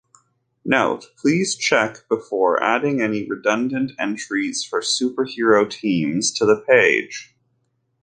Note: Please check before adding any redundant entries for superhero teams to the page.